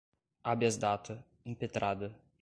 habeas data, impetrada, retificação, acréscimo